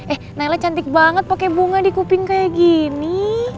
eh naila cantik banget pakai bunga di kuping kayak gini